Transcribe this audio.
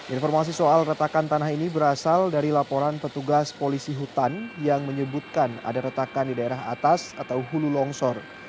informasi soal retakan tanah ini berasal dari laporan petugas polisi hutan yang menyebutkan ada retakan di daerah atas atau hulu longsor